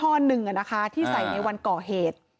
ท่อนึงอ่ะนะคะที่ใส่ในวันก่อเหตุ